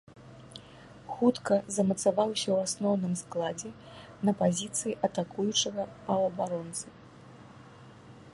Хутка замацаваўся ў асноўным складзе на пазіцыі атакуючага паўабаронцы.